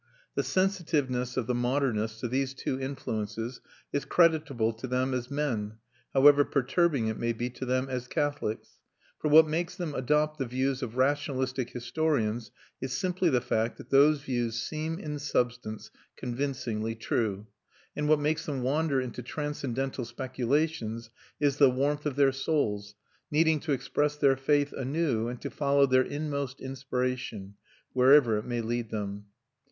The sensitiveness of the modernists to these two influences is creditable to them as men, however perturbing it may be to them as Catholics; for what makes them adopt the views of rationalistic historians is simply the fact that those views seem, in substance, convincingly true; and what makes them wander into transcendental speculations is the warmth of their souls, needing to express their faith anew, and to follow their inmost inspiration, wherever it may lead them.